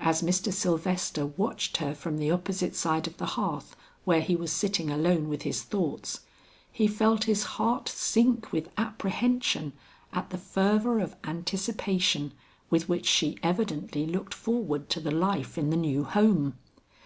As Mr. Sylvester watched her from the opposite side of the hearth where he was sitting alone with his thoughts, he felt his heart sink with apprehension at the fervor of anticipation with which she evidently looked forward to the life in the new home.